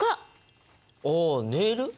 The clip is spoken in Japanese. あネイル？